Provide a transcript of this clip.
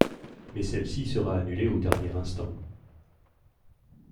Mais celle-ci sera annulée au dernier instant.